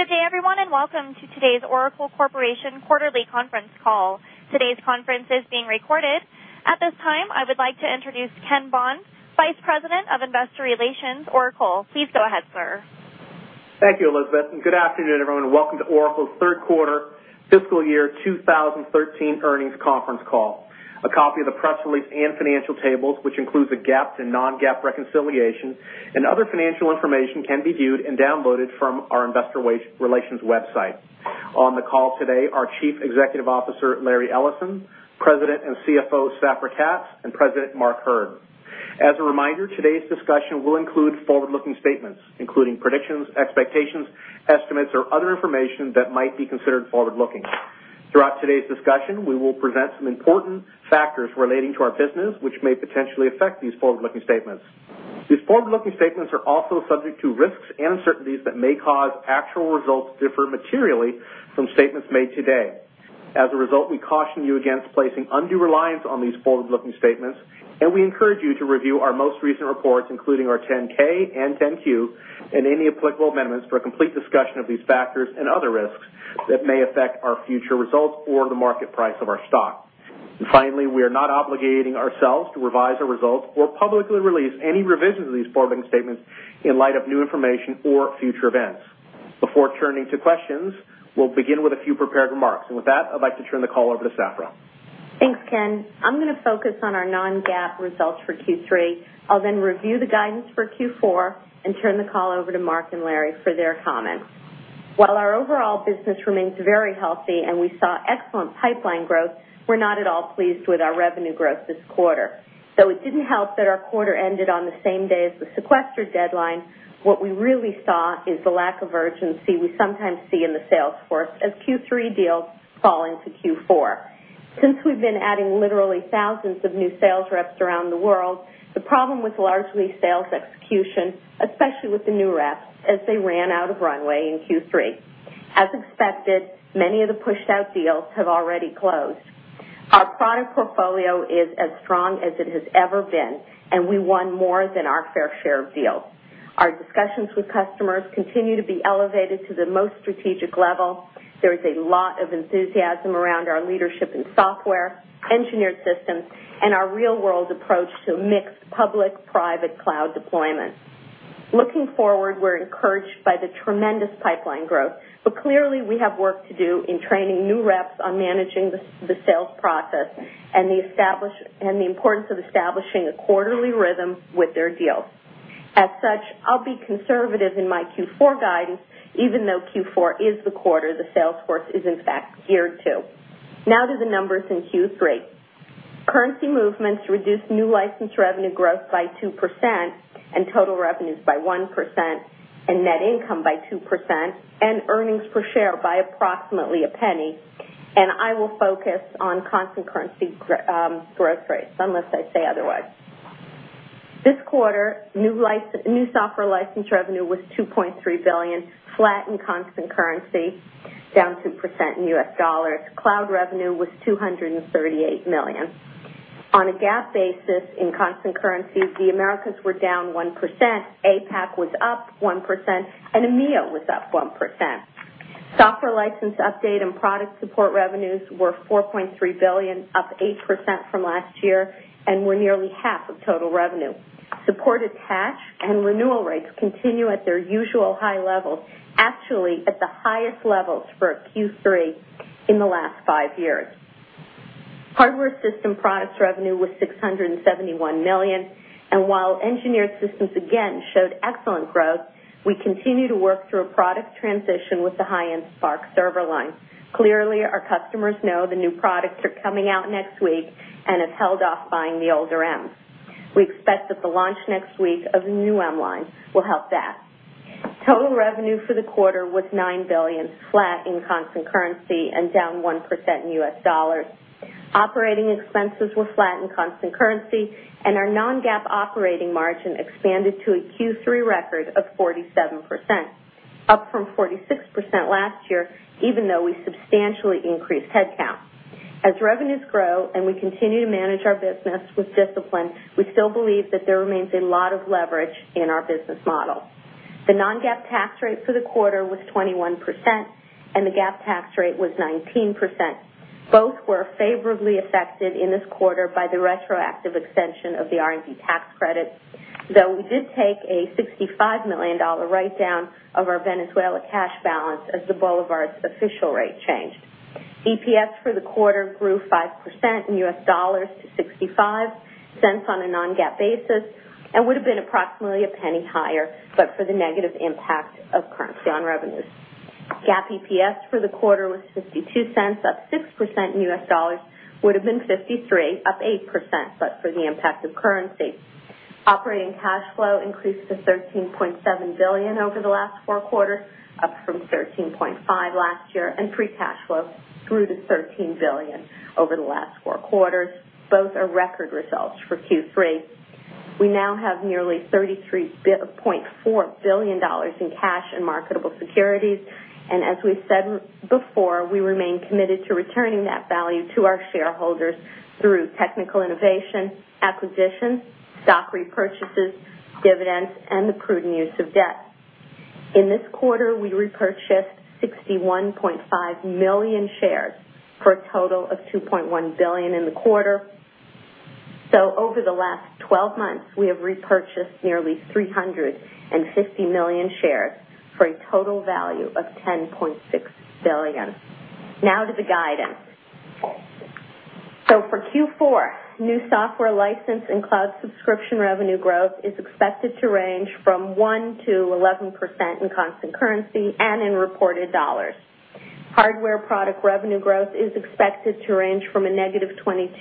Good day, everyone, and welcome to today's Oracle Corporation quarterly conference call. Today's conference is being recorded. At this time, I would like to introduce Ken Bond, Vice President of Investor Relations, Oracle. Please go ahead, sir. Thank you, Elizabeth, and good afternoon, everyone, and welcome to Oracle's third quarter fiscal year 2013 earnings conference call. A copy of the press release and financial tables, which includes the GAAP and non-GAAP reconciliations and other financial information, can be viewed and downloaded from our investor relations website. On the call today are Chief Executive Officer, Larry Ellison, President and CFO, Safra Catz, and President Mark Hurd. As a reminder, today's discussion will include forward-looking statements, including predictions, expectations, estimates, or other information that might be considered forward-looking. Throughout today's discussion, we will present some important factors relating to our business, which may potentially affect these forward-looking statements. These forward-looking statements are also subject to risks and uncertainties that may cause actual results to differ materially from statements made today. As a result, we caution you against placing undue reliance on these forward-looking statements, and we encourage you to review our most recent reports, including our 10-K and 10-Q, and any applicable amendments for a complete discussion of these factors and other risks that may affect our future results or the market price of our stock. Finally, we are not obligating ourselves to revise our results or publicly release any revisions of these forward-looking statements in light of new information or future events. Before turning to questions, we'll begin with a few prepared remarks. With that, I'd like to turn the call over to Safra. Thanks, Ken. I'm going to focus on our non-GAAP results for Q3. I'll then review the guidance for Q4 and turn the call over to Mark and Larry for their comments. While our overall business remains very healthy and we saw excellent pipeline growth, we're not at all pleased with our revenue growth this quarter. Though it didn't help that our quarter ended on the same day as the sequester deadline, what we really saw is the lack of urgency we sometimes see in the sales force as Q3 deals fall into Q4. Since we've been adding literally thousands of new sales reps around the world, the problem was largely sales execution, especially with the new reps as they ran out of runway in Q3. As expected, many of the pushed-out deals have already closed. Our product portfolio is as strong as it has ever been, and we won more than our fair share of deals. Our discussions with customers continue to be elevated to the most strategic level. There is a lot of enthusiasm around our leadership in software, engineered systems, and our real-world approach to mixed public-private cloud deployment. Looking forward, we're encouraged by the tremendous pipeline growth, but clearly, we have work to do in training new reps on managing the sales process and the importance of establishing a quarterly rhythm with their deals. As such, I'll be conservative in my Q4 guidance, even though Q4 is the quarter the sales force is in fact geared to. Now to the numbers in Q3. Currency movements reduced new license revenue growth by 2% and total revenues by 1% and net income by 2% and earnings per share by approximately $0.01. I will focus on constant currency growth rates unless I say otherwise. This quarter, new software license revenue was $2.3 billion, flat in constant currency, down 2% in US dollars. Cloud revenue was $238 million. On a GAAP basis in constant currency, the Americas were down 1%, APAC was up 1%, and EMEA was up 1%. Software license update and product support revenues were $4.3 billion, up 8% from last year, and were nearly half of total revenue. Support attach and renewal rates continue at their usual high levels, actually at the highest levels for a Q3 in the last five years. Hardware system products revenue was $671 million, and while engineered systems again showed excellent growth, we continue to work through a product transition with the high-end SPARC server line. Clearly, our customers know the new products are coming out next week and have held off buying the older M. We expect that the launch next week of the new M line will help that. Total revenue for the quarter was $9 billion, flat in constant currency and down 1% in US dollars. Operating expenses were flat in constant currency, and our non-GAAP operating margin expanded to a Q3 record of 47%, up from 46% last year, even though we substantially increased headcount. As revenues grow and we continue to manage our business with discipline, we still believe that there remains a lot of leverage in our business model. The non-GAAP tax rate for the quarter was 21%, and the GAAP tax rate was 19%. Both were favorably affected in this quarter by the retroactive extension of the R&D tax credit, though we did take a $65 million write-down of our Venezuela cash balance as the bolivar's official rate changed. EPS for the quarter grew 5% in US dollars to $0.65 on a non-GAAP basis and would have been approximately $0.01 higher but for the negative impact of currency on revenues. GAAP EPS for the quarter was $0.52, up 6% in US dollars. Would have been $0.53, up 8%, but for the impact of currency. Operating cash flow increased to $13.7 billion over the last four quarters, up from $13.5 billion last year, and free cash flow grew to $13 billion over the last four quarters. Both are record results for Q3. We now have nearly $33.4 billion in cash and marketable securities. As we've said before, we remain committed to returning that value to our shareholders through technical innovation, acquisitions, stock repurchases, dividends, and the prudent use of debt. In this quarter, we repurchased 61.5 million shares for a total of $2.1 billion in the quarter. Over the last 12 months, we have repurchased nearly 350 million shares for a total value of $10.6 billion. Now to the guidance. For Q4, new software license and cloud subscription revenue growth is expected to range from 1% to 11% in constant currency and in reported dollars. Hardware product revenue growth is expected to range from -22%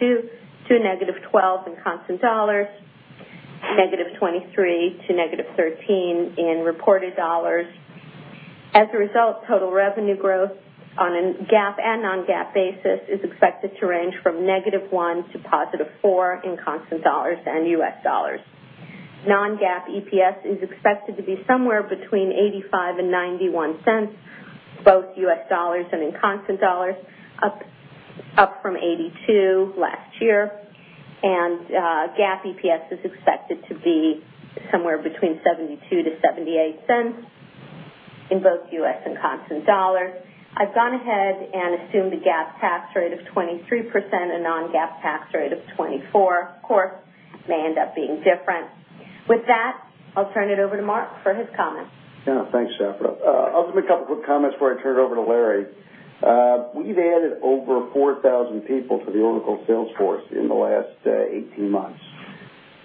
to -12% in constant dollars, -23% to -13% in reported dollars. As a result, total revenue growth on a GAAP and non-GAAP basis is expected to range from -1% to +4% in constant dollars and US dollars. Non-GAAP EPS is expected to be somewhere between $0.85 and $0.91, both US dollars and in constant dollars, up from $0.82 last year. GAAP EPS is expected to be somewhere between $0.72 to $0.78 in both US and constant dollars. I've gone ahead and assumed a GAAP tax rate of 23% and non-GAAP tax rate of 24%. Of course, may end up being different. With that, I'll turn it over to Mark for his comments. Thanks, Safra. I'll give a couple quick comments before I turn it over to Larry. We've added over 4,000 people to the Oracle sales force in the last 18 months.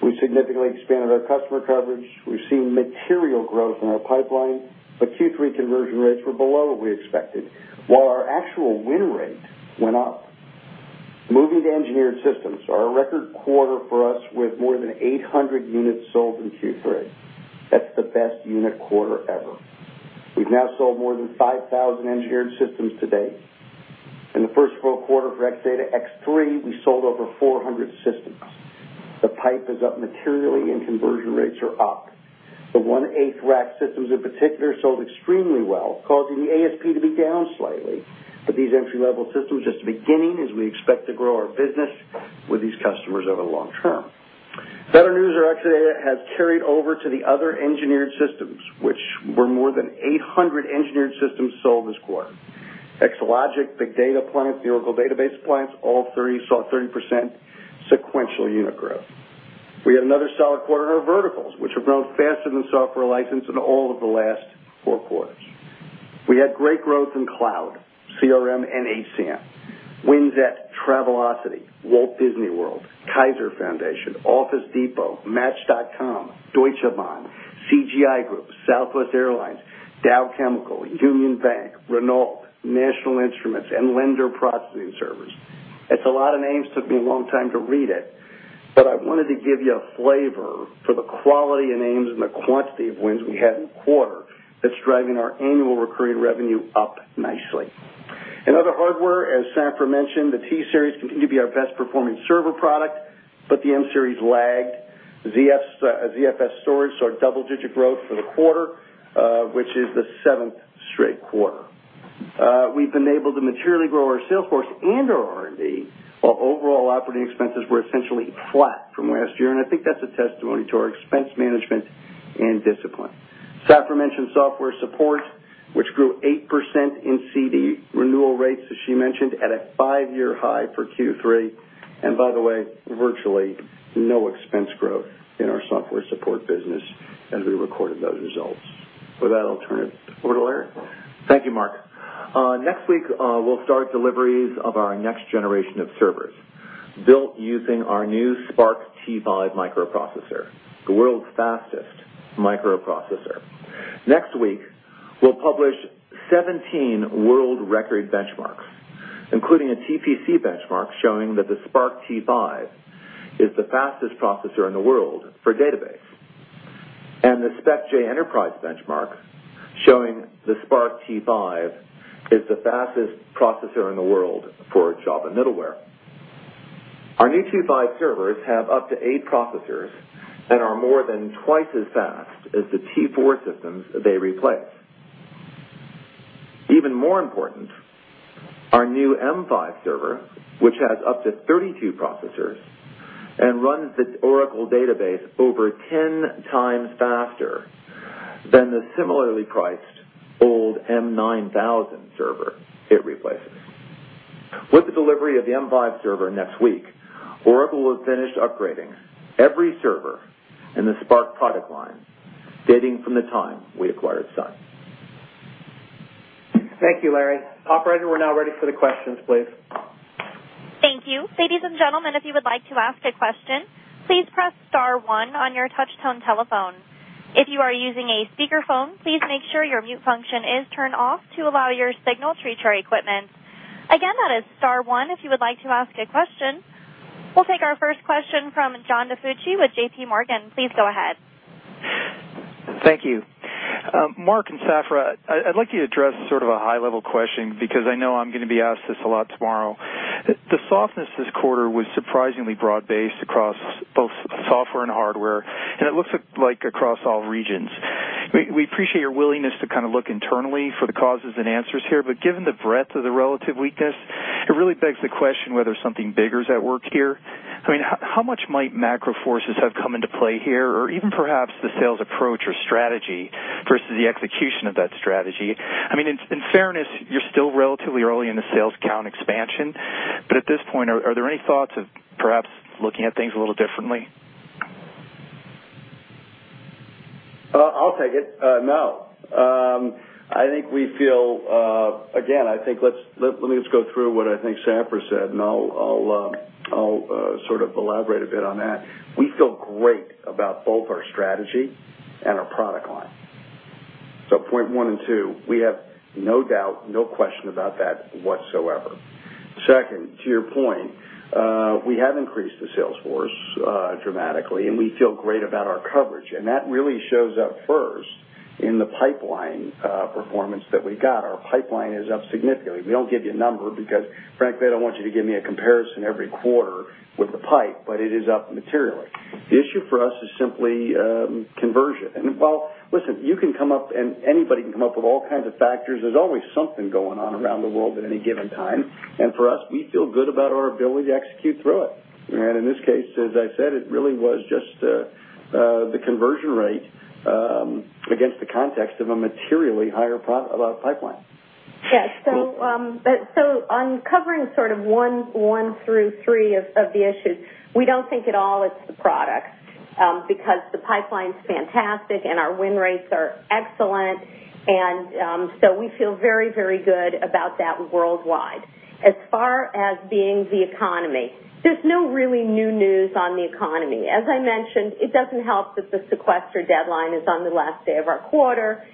We significantly expanded our customer coverage. We've seen material growth in our pipeline, but Q3 conversion rates were below what we expected, while our actual win rate went up. Moving to engineered systems, are a record quarter for us with more than 800 units sold in Q3. That's the best unit quarter ever. We've now sold more than 5,000 engineered systems to date. In the first full quarter for Exadata X3, we sold over 400 systems. The pipe is up materially and conversion rates are up. The one-eighth rack systems in particular sold extremely well, causing the ASP to be down slightly. These entry-level systems are just the beginning as we expect to grow our business with these customers over the long term. Better news are Exadata has carried over to the other engineered systems, which were more than 800 engineered systems sold this quarter. Exalogic, Big Data Appliance, the Oracle Database Appliance, all three saw 30% sequential unit growth. We had another solid quarter in our verticals, which have grown faster than software license in all of the last four quarters. We had great growth in cloud, CRM, and HCM. Wins at Travelocity, Walt Disney World, Kaiser Foundation, Office Depot, Match.com, Deutsche Bank, CGI Group, Southwest Airlines, Dow Chemical, Union Bank, Renault, National Instruments, and Lender Processing Service. It's a lot of names, took me a long time to read it, but I wanted to give you a flavor for the quality of names and the quantity of wins we had in the quarter that's driving our annual recurring revenue up nicely. In other hardware, as Safra Catz mentioned, the T-Series continued to be our best performing server product, but the M-Series lagged. ZFS storage saw double-digit growth for the quarter, which is the seventh straight quarter. We've been able to materially grow our sales force and our R&D, while overall operating expenses were essentially flat from last year, and I think that's a testimony to our expense management and discipline. Safra Catz mentioned software support, which grew 8% in [CD] renewal rates, as she mentioned, at a five-year high for Q3. By the way, virtually no expense growth in our software support business as we recorded those results. With that, I'll turn it over to Larry. Thank you, Mark. Next week, we'll start deliveries of our next generation of servers built using our new SPARC T5 microprocessor, the world's fastest microprocessor. Next week, we'll publish 17 world record benchmarks, including a TPC benchmark showing that the SPARC T5 is the fastest processor in the world for database, and the SPECjEnterprise benchmark showing the SPARC T5 is the fastest processor in the world for Java middleware. Our new T5 servers have up to eight processors and are more than twice as fast as the T4 systems they replace. Even more important, our new M5 server, which has up to 32 processors and runs the Oracle Database over 10 times faster than the similarly priced old M9000 server it replaces. With the delivery of the M5 server next week, Oracle will have finished upgrading every server in the SPARC product line dating from the time we acquired Sun. Thank you, Larry. Operator, we're now ready for the questions, please. Thank you. Ladies and gentlemen, if you would like to ask a question, please press star one on your touchtone telephone. If you are using a speakerphone, please make sure your mute function is turned off to allow your signal to reach our equipment. Again, that is star one if you would like to ask a question. We'll take our first question from John DiFucci with J.P. Morgan. Please go ahead. Thank you. Mark and Safra, I'd like you to address sort of a high-level question because I know I'm going to be asked this a lot tomorrow. The softness this quarter was surprisingly broad-based across both software and hardware. It looks like across all regions. We appreciate your willingness to look internally for the causes and answers here. Given the breadth of the relative weakness, it really begs the question whether something bigger is at work here. How much might macro forces have come into play here, even perhaps the sales approach or strategy versus the execution of that strategy? In fairness, you're still relatively early in the sales count expansion. At this point, are there any thoughts of perhaps looking at things a little differently? I'll take it. No. Again, I think let me just go through what I think Safra said, and I'll elaborate a bit on that. We feel great about both our strategy and our product line. Point one and two, we have no doubt, no question about that whatsoever. Second, to your point, we have increased the sales force dramatically, and we feel great about our coverage, and that really shows up first in the pipeline performance that we got. Our pipeline is up significantly. We don't give you a number because, frankly, I don't want you to give me a comparison every quarter with the pipe. It is up materially. The issue for us is simply conversion. While, listen, you can come up, and anybody can come up with all kinds of factors, there's always something going on around the world at any given time. For us, we feel good about our ability to execute through it. In this case, as I said, it really was just the conversion rate against the context of a materially higher pipeline. Yeah. On covering one through three of the issues, we don't think at all it's the product, because the pipeline's fantastic and our win rates are excellent. We feel very good about that worldwide. As far as being the economy, there's no really new news on the economy. As I mentioned, it doesn't help that the sequester deadline is on the last day of our quarter.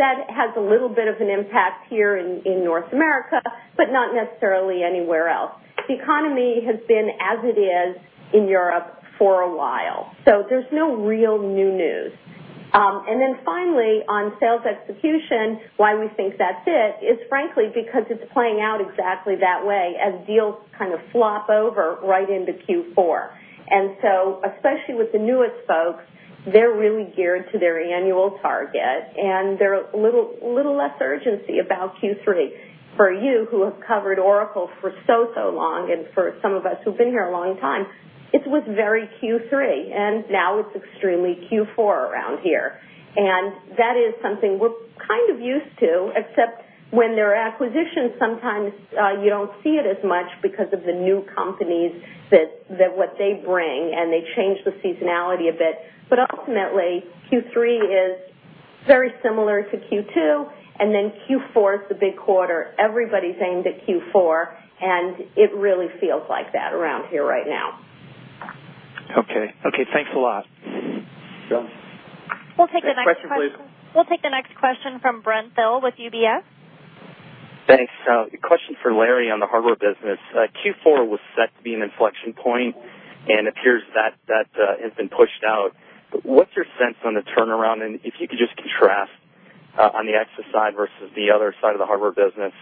That has a little bit of an impact here in North America, but not necessarily anywhere else. The economy has been as it is in Europe for a while, so there's no real new news. Finally, on sales execution, why we think that's it is frankly because it's playing out exactly that way as deals kind of flop over right into Q4. Especially with the newest folks, they're really geared to their annual target, and there's a little less urgency about Q3. For you who have covered Oracle for so long, and for some of us who've been here a long time, it was very Q3, and now it's extremely Q4 around here. That is something we're kind of used to, except when there are acquisitions, sometimes you don't see it as much because of the new companies that what they bring, and they change the seasonality a bit. Ultimately, Q3 is very similar to Q2, and then Q4 is the big quarter. Everybody's aimed at Q4, and it really feels like that around here right now. Okay. Thanks a lot. John. We'll take the next question. Next question, please. We'll take the next question from Brent Thill with UBS. Thanks. A question for Larry on the hardware business. Q4 was set to be an inflection point, and appears that has been pushed out. What's your sense on the turnaround? If you could just contrast on the Exa side versus the other side of the hardware business,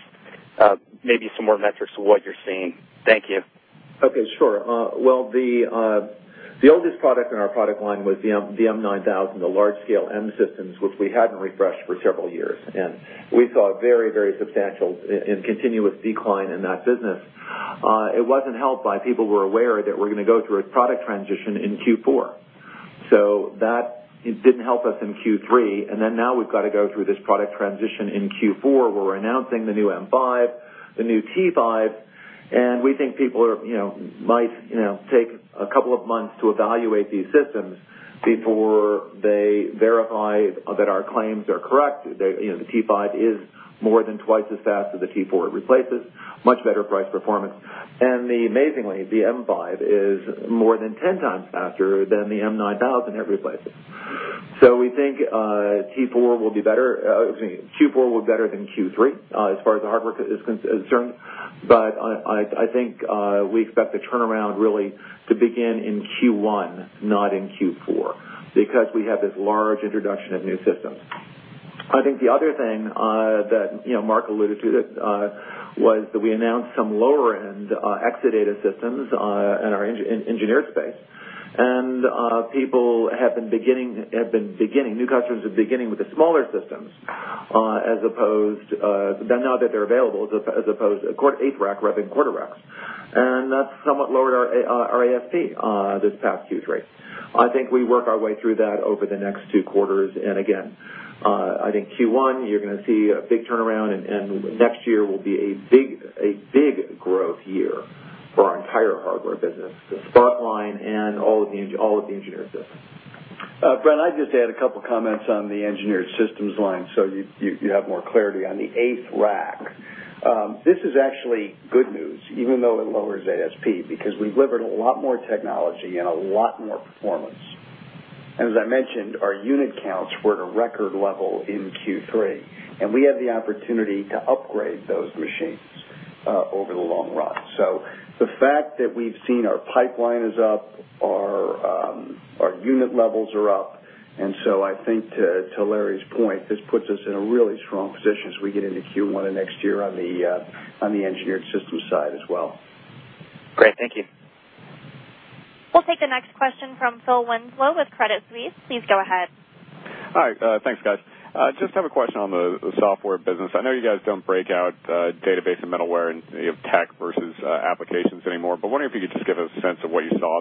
maybe some more metrics to what you're seeing. Thank you. Okay, sure. Well, the oldest product in our product line was the M9000, the large-scale M systems, which we hadn't refreshed for several years. We saw a very substantial and continuous decline in that business. It wasn't helped by people who were aware that we're going to go through a product transition in Q4. That didn't help us in Q3. Now we've got to go through this product transition in Q4. We're announcing the new M5, the new T5. We think people might take a couple of months to evaluate these systems before they verify that our claims are correct. The T5 is more than twice as fast as the T4 it replaces. Much better price performance. Amazingly, the M5 is more than 10 times faster than the M9000 it replaces. We think Q4 will be better than Q3 as far as the hardware is concerned. I think we expect the turnaround really to begin in Q1, not in Q4, because we have this large introduction of new systems. I think the other thing that Mark alluded to was that we announced some lower-end Exadata systems in our engineered space. People have been beginning, new customers are beginning with the smaller systems now that they're available, as opposed to eighth rack rather than quarter racks. That somewhat lowered our ASP this past Q3. I think we work our way through that over the next two quarters. Again, I think Q1, you're going to see a big turnaround. Next year will be a big growth year for our entire hardware business, the SPARC line and all of the engineered systems. Brent, I'd just add a couple of comments on the engineered systems line so you have more clarity. On the eighth rack, this is actually good news, even though it lowers ASP, because we've delivered a lot more technology and a lot more performance. As I mentioned, our unit counts were at a record level in Q3. We have the opportunity to upgrade those machines over the long run. The fact that we've seen our pipeline is up, our unit levels are up. I think to Larry's point, this puts us in a really strong position as we get into Q1 of next year on the engineered systems side as well. Great. Thank you. We'll take the next question from Philip Winslow with Credit Suisse. Please go ahead. Hi. Thanks, guys. Just have a question on the software business. I know you guys don't break out database and middleware and tech versus applications anymore, but wondering if you could just give a sense of what you saw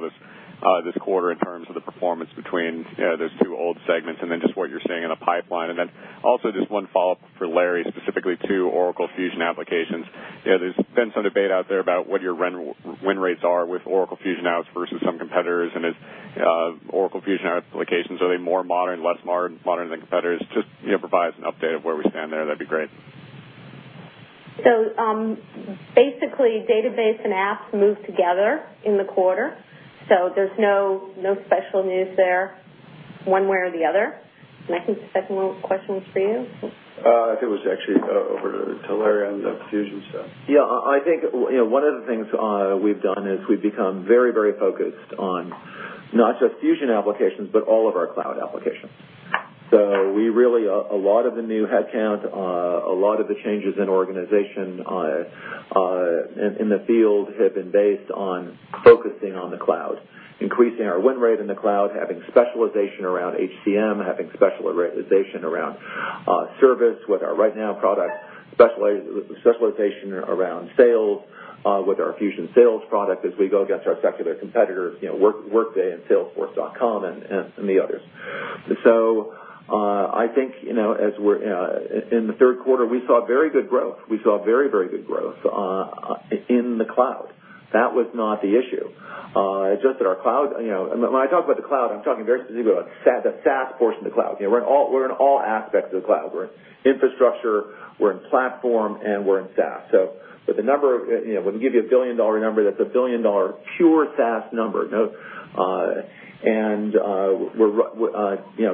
this quarter in terms of the performance between those two old segments and then just what you're seeing in a pipeline. Then also just one follow-up for Larry, specifically to Oracle Fusion Applications. There's been some debate out there about what your win rates are with Oracle Fusion apps versus some competitors and Oracle Fusion Applications. Are they more modern, less modern than competitors? Just provide us an update of where we stand there, that'd be great. Basically, database and apps move together in the quarter, so there's no special news there one way or the other. I think the second question was for you? I think it was actually over to Larry on the Fusion stuff. I think one of the things we've done is we've become very focused on not just Fusion Applications, but all of our cloud applications. Really, a lot of the new headcount, a lot of the changes in organization in the field have been based on focusing on the cloud, increasing our win rate in the cloud, having specialization around HCM, having specialization around service with our RightNow product, specialization around sales with our Fusion sales product as we go against our secular competitors, Workday and salesforce.com and the others. I think, in the third quarter, we saw very good growth. We saw very good growth in the cloud. That was not the issue. When I talk about the cloud, I'm talking very specifically about the SaaS portion of the cloud. We're in all aspects of the cloud. We're in infrastructure, we're in platform, and we're in SaaS. When we give you a billion-dollar number, that's a billion-dollar pure SaaS number.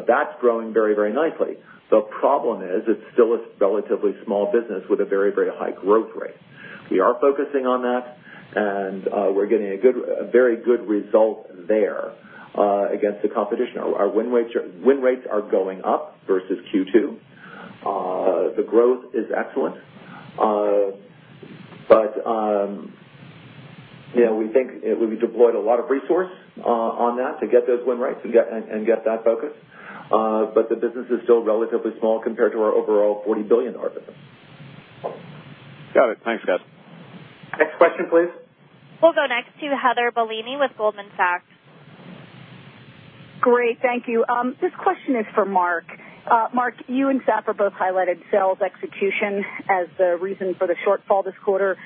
That's growing very nicely. The problem is it's still a relatively small business with a very high growth rate. We are focusing on that, and we're getting very good results there against the competition. Our win rates are going up versus Q2. The growth is excellent. We think we've deployed a lot of resource on that to get those win rates and get that focus. The business is still relatively small compared to our overall $40 billion business. Got it. Thanks, guys. Next question, please. We'll go next to Heather Bellini with Goldman Sachs. Great. Thank you. This question is for Mark. Mark, you and Safra both highlighted sales execution as the reason for the shortfall this quarter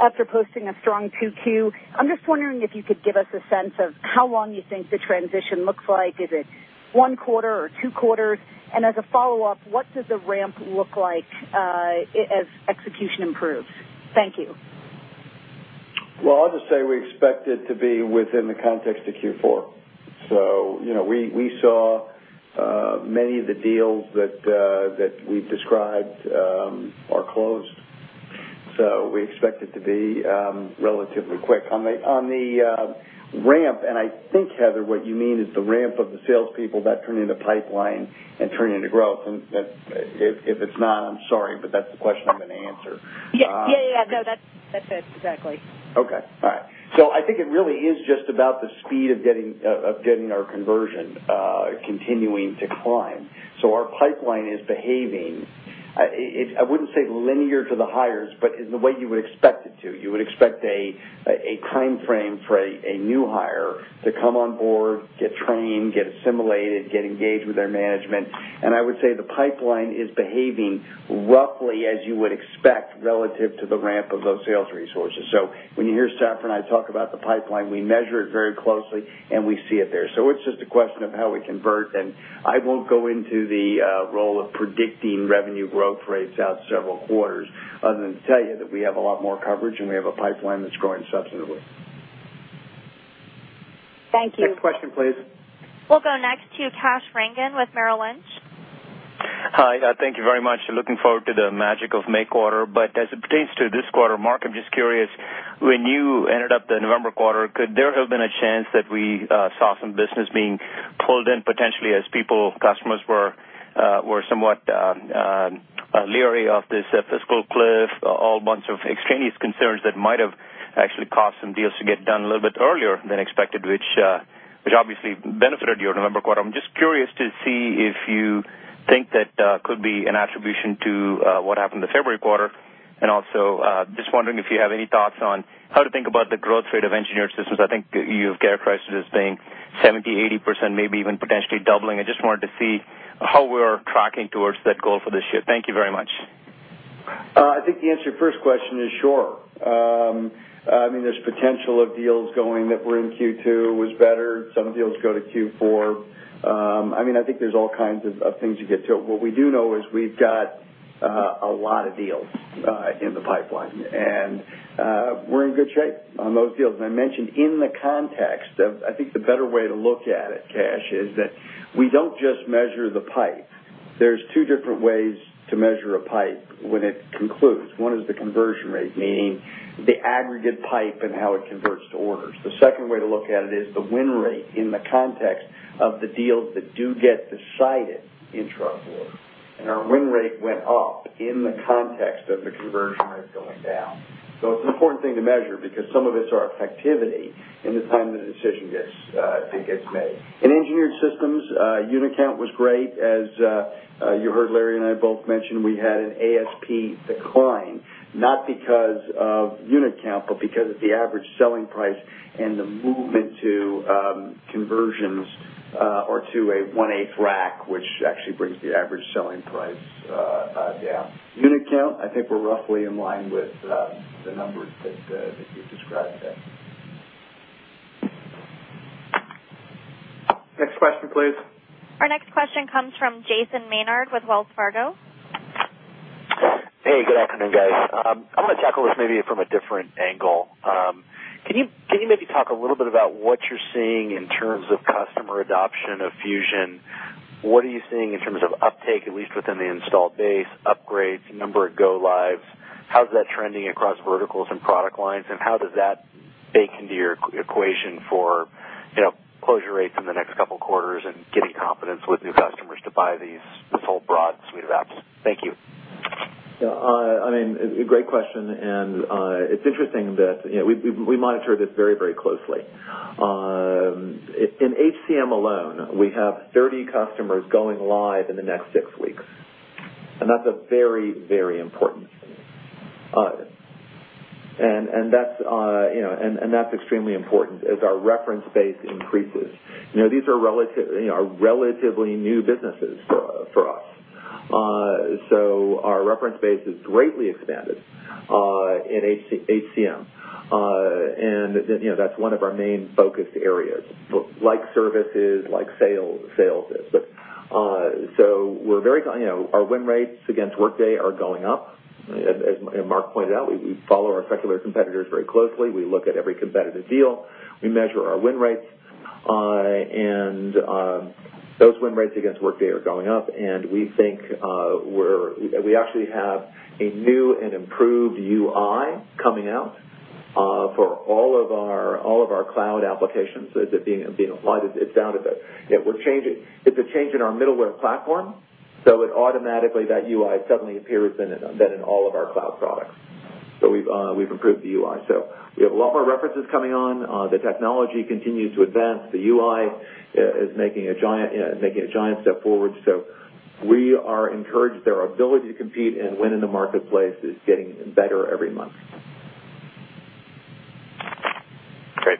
after posting a strong Q2. I'm just wondering if you could give us a sense of how long you think the transition looks like. Is it one quarter or two quarters? As a follow-up, what does the ramp look like as execution improves? Thank you. Well, I'll just say we expect it to be within the context of Q4. We saw many of the deals that we've described are closed. We expect it to be relatively quick. On the ramp, I think, Heather, what you mean is the ramp of the salespeople that turn into pipeline and turn into growth. If it's not, I'm sorry, but that's the question I'm going to answer. Yeah. No, that's it. Exactly. Okay. All right. I think it really is just about the speed of getting our conversion continuing to climb. Our pipeline is behaving, I wouldn't say linear to the hires, but in the way you would expect it to. You would expect a time frame for a new hire to come on board, get trained, get assimilated, get engaged with their management. I would say the pipeline is behaving roughly as you would expect relative to the ramp of those sales resources. When you hear Safra and I talk about the pipeline, we measure it very closely, and we see it there. It's just a question of how we convert, and I won't go into the role of predicting revenue growth rates out several quarters other than to tell you that we have a lot more coverage and we have a pipeline that's growing substantively. Thank you. Next question, please. We'll go next to Kash Rangan with Merrill Lynch. Thank you very much. Looking forward to the magic of May quarter. As it pertains to this quarter, Mark, I'm just curious, when you ended up the November quarter, could there have been a chance that we saw some business being pulled in potentially as people, customers were somewhat leery of this fiscal cliff, a whole bunch of extraneous concerns that might have actually caused some deals to get done a little bit earlier than expected, which obviously benefited your November quarter. I'm just curious to see if you think that could be an attribution to what happened in the February quarter, and also, just wondering if you have any thoughts on how to think about the growth rate of Engineered Systems. I think you've characterized it as being 70%, 80%, maybe even potentially doubling. I just wanted to see how we're tracking towards that goal for this shift. Thank you very much. I think the answer to your first question is sure. There's potential of deals going that were in Q2 was better. Some deals go to Q4. I think there's all kinds of things you get to. What we do know is we've got a lot of deals in the pipeline, and we're in good shape on those deals. I mentioned in the context of, I think the better way to look at it, Kash, is that we don't just measure the pipe. There's two different ways to measure a pipe when it concludes. One is the conversion rate, meaning the aggregate pipe and how it converts to orders. The second way to look at it is the win In the context of the deals that do get decided. Our win rate went up in the context of the conversion rate going down. It's an important thing to measure because some of it's our effectivity in the time that a decision gets made. In Engineered Systems, unit count was great. As you heard, Larry and I both mention we had an ASP decline, not because of unit count, but because of the average selling price and the movement to conversions or to a one-eighth rack, which actually brings the average selling price down. Unit count, I think we're roughly in line with the numbers that you described there. Next question, please. Our next question comes from Jason Maynard with Wells Fargo. Hey, good afternoon, guys. I want to tackle this maybe from a different angle. Can you maybe talk a little bit about what you're seeing in terms of customer adoption of Fusion? What are you seeing in terms of uptake, at least within the installed base, upgrades, number of go lives? How's that trending across verticals and product lines, and how does that bake into your equation for closure rates in the next couple quarters and getting confidence with new customers to buy this whole broad suite of apps? Thank you. Yeah. Great question. It's interesting that we monitor this very closely. In HCM alone, we have 30 customers going live in the next six weeks. That's a very important thing. That's extremely important as our reference base increases. These are relatively new businesses for us. Our reference base is greatly expanded in HCM. That's one of our main focus areas, like services, like sales is. Our win rates against Workday are going up. As Mark pointed out, we follow our secular competitors very closely. We look at every competitive deal. We measure our win rates. Those win rates against Workday are going up. We actually have a new and improved UI coming out for all of our cloud applications. It's being applied. It's a change in our middleware platform. Automatically, that UI suddenly appears then in all of our cloud products. We've improved the UI. We have a lot more references coming on. The technology continues to advance. The UI is making a giant step forward. We are encouraged that our ability to compete and win in the marketplace is getting better every month. Great.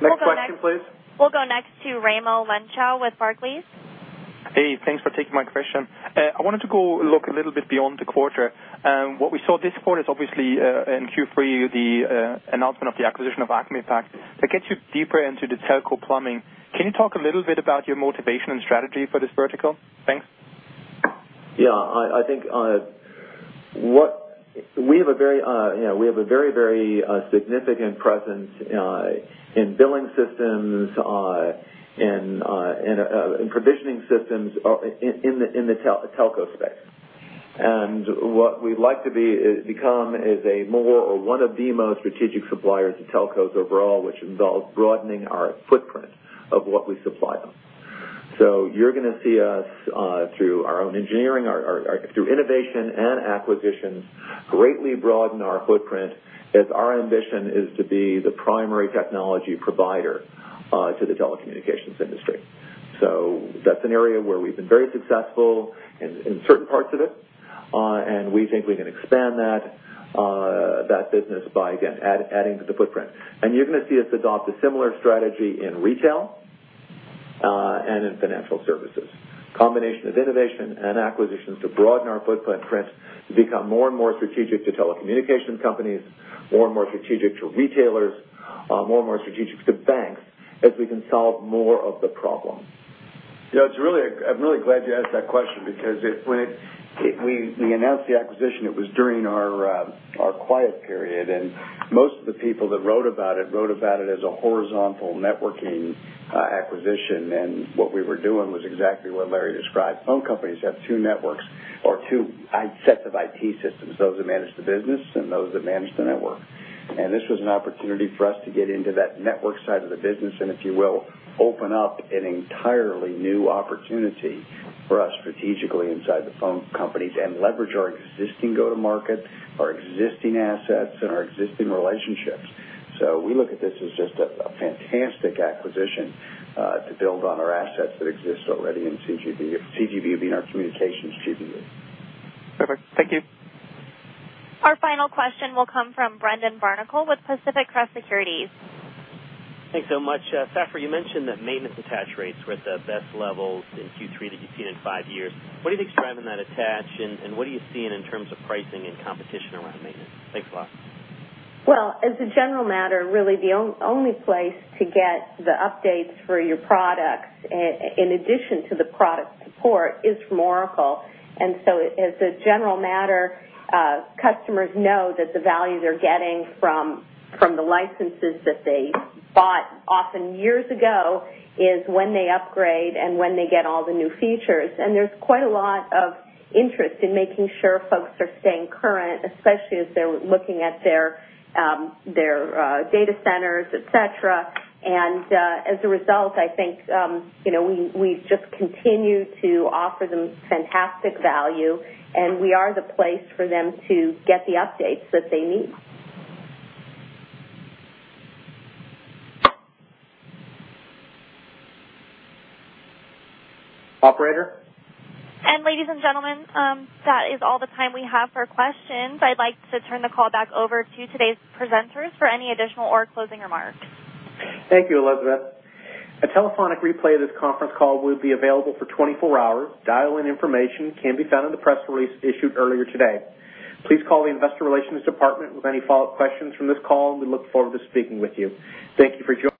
Next question, please. We'll go next to Raimo Lenschow with Barclays. Hey, thanks for taking my question. I wanted to go look a little bit beyond the quarter. What we saw this quarter is obviously, in Q3, the announcement of the acquisition of Acme Packet. To get you deeper into the telco plumbing, can you talk a little bit about your motivation and strategy for this vertical? Thanks. Yeah. We have a very significant presence in billing systems, in provisioning systems in the telco space. What we'd like to become is one of the most strategic suppliers to telcos overall, which involves broadening our footprint of what we supply them. You're going to see us, through our own engineering, through innovation and acquisitions, greatly broaden our footprint, as our ambition is to be the primary technology provider to the telecommunications industry. That's an area where we've been very successful in certain parts of it, and we think we can expand that business by, again, adding to the footprint. You're going to see us adopt a similar strategy in retail and in financial services. Combination of innovation and acquisitions to broaden our footprint to become more and more strategic to telecommunication companies, more and more strategic to retailers, more and more strategic to banks as we can solve more of the problem. I'm really glad you asked that question because when we announced the acquisition, it was during our quiet period, and most of the people that wrote about it wrote about it as a horizontal networking acquisition. What we were doing was exactly what Larry described. Phone companies have two networks or two sets of IT systems, those that manage the business and those that manage the network. This was an opportunity for us to get into that network side of the business and, if you will, open up an entirely new opportunity for us strategically inside the phone companies and leverage our existing go-to-market, our existing assets, and our existing relationships. We look at this as just a fantastic acquisition to build on our assets that exist already in CGBU being our communications GBU. Perfect. Thank you. Our final question will come from Brendan Barnicle with Pacific Crest Securities. Thanks so much. Safra, you mentioned that maintenance attach rates were at the best levels in Q3 that you've seen in five years. What do you think is driving that attach, and what are you seeing in terms of pricing and competition around maintenance? Thanks a lot. Well, as a general matter, really, the only place to get the updates for your products, in addition to the product support, is from Oracle. As a general matter, customers know that the value they're getting from the licenses that they bought, often years ago, is when they upgrade and when they get all the new features. There's quite a lot of interest in making sure folks are staying current, especially as they're looking at their data centers, et cetera. As a result, I think we just continue to offer them fantastic value, and we are the place for them to get the updates that they need. Operator. Ladies and gentlemen, that is all the time we have for questions. I'd like to turn the call back over to today's presenters for any additional or closing remarks. Thank you, Elizabeth. A telephonic replay of this conference call will be available for 24 hours. Dial-in information can be found in the press release issued earlier today. Please call the investor relations department with any follow-up questions from this call, and we look forward to speaking with you. Thank you for joining.